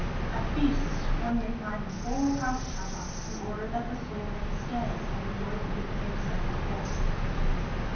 At feasts one may find the whole house shut up, in order that the soul may stay and enjoy the good things set before it."